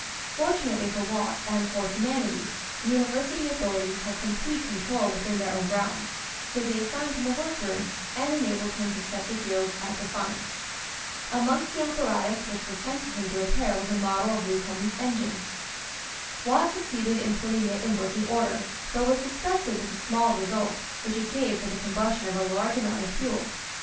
Fortunately for Watt and for humanity the University authorities had complete control within their own grounds, so they assigned him a workroom and enabled him to set the guilds at defiance. Amongst the apparatus which was sent to him to repair was a model of Newcomen's engine. Watt succeeded in putting it in working order, but was disgusted with the small result which it gave for the combustion of a large amount of fuel.